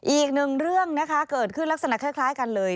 อีกหนึ่งเรื่องนะคะเกิดขึ้นลักษณะคล้ายกันเลย